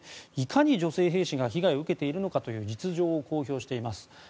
いかに女性兵士が被害を受けているかという実情を示しています。